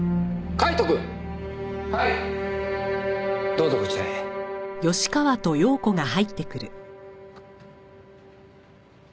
どうぞこちらへ。